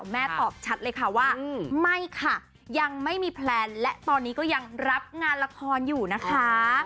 แม่ตอบชัดเลยค่ะว่าไม่ค่ะยังไม่มีแพลนและตอนนี้ก็ยังรับงานละครอยู่นะคะ